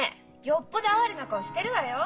よっぽど哀れな顔してるわよ。